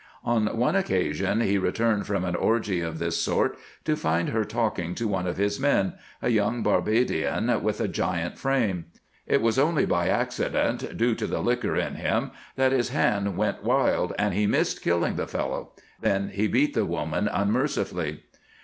On one occasion he returned from an orgy of this sort to find her talking to one of his men, a young Barbadian with a giant's frame. It was only by accident, due to the liquor in him, that his hand went wild and he missed killing the fellow; then he beat the woman unmercifully.